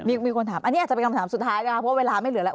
มีคนถามอันนี้อาจจะเป็นคำถามสุดท้ายนะคะเพราะเวลาไม่เหลือแล้ว